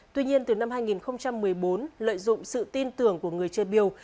tuy nhiên từ năm hai nghìn một mươi bốn lợi dụng sự tin tưởng của người chơi biêu